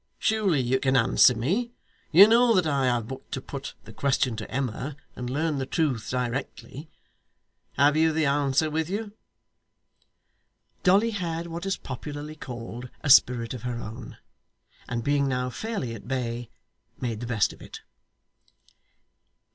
Surely you can answer me. You know that I have but to put the question to Emma and learn the truth directly. Have you the answer with you?' Dolly had what is popularly called a spirit of her own, and being now fairly at bay, made the best of it.